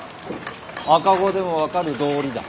赤子でも分かる道理だ。